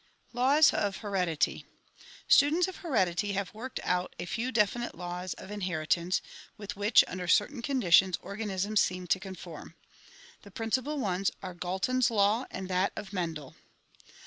Laws of Heredity Students of heredity have worked out a few definite laws of in heritance with which, under certain conditions, organisms seem to conform. The principal ones are Galton's law and that of Men del.